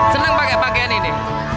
senang pakaian ini